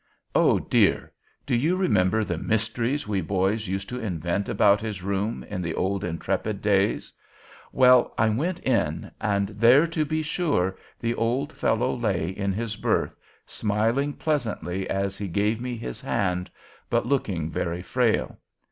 Oh, dear! do you remember the mysteries we boys used to invent about his room in the old 'Intrepid' days? Well, I went in, and there, to be sure, the poor fellow lay in his berth, smiling pleasantly as he gave me his hand, but looking very frail.